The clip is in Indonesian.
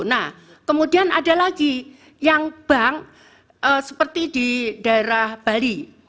nah kemudian ada lagi yang bank seperti di daerah bali